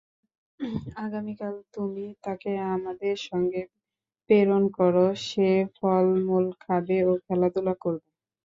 আগামীকাল তুমি তাকে আমাদের সঙ্গে প্রেরণ কর, সে ফল-মূল খাবে ও খেলাধুলা করবে।